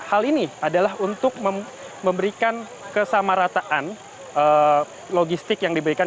hal ini adalah untuk memberikan kesamarataan logistik yang diberikan